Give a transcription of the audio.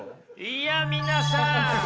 いや皆さん！